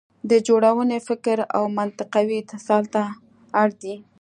د جوړونې فکر او منطقوي اتصال ته اړ دی.